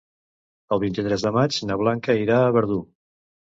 El vint-i-tres de maig na Blanca irà a Verdú.